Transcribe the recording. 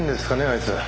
あいつ。